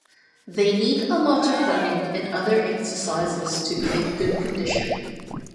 They need a lot of running and other exercises to be in good condition.